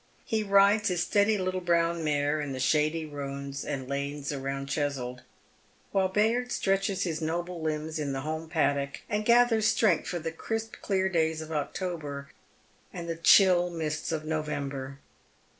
He rides his steady little brown mare in the shady roads and lanes round Cheswold, while Bayard stretches his noble limbs in the home paddock, and gathers strength for the crisp, clear days of October and the chill mists of No vember.